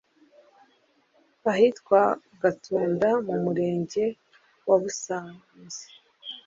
Ahitwa Gatunda mu murenge wa Busanze